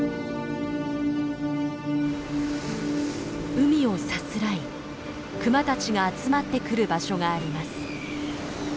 海をさすらいクマたちが集まってくる場所があります。